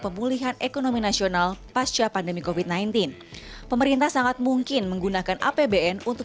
pemulihan ekonomi nasional pasca pandemi kofit sembilan belas pemerintah sangat mungkin menggunakan apbn untuk